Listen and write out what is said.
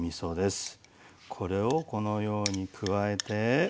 これをこのように加えて。